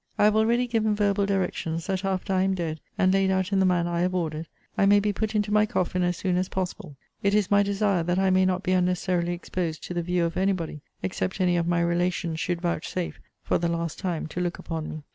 I have already given verbal directions, that, after I am dead, (and laid out in the manner I have ordered,) I may be put into my coffin as soon as possible: it is my desire, that I may not be unnecessarily exposed to the view of any body; except any of my relations should vouchsafe, for the last time, to look upon me.